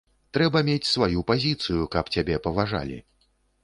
Трэба мець сваю пазіцыю, каб цябе паважалі.